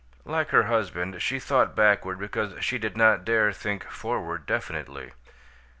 Like her husband, she thought backward because she did not dare think forward definitely.